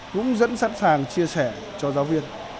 cũng rất sẵn sàng chia sẻ cho giáo viên